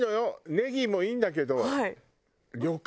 ねぎもいいんだけど。